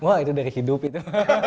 wah itu dari hidup itu